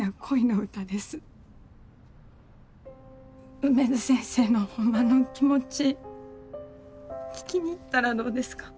梅津先生のホンマの気持ち聞きに行ったらどうですか？